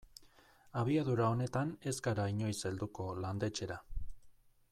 Abiadura honetan ez gara inoiz helduko landetxera.